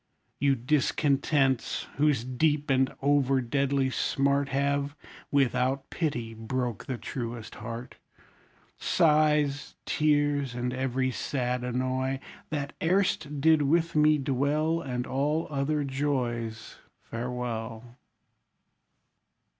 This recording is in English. You discontents, whose deep and over deadly smart Have, without pity, broke the truest heart. Sighs, tears, and every sad annoy, That erst did with me dwell, And all other joys, Farewell!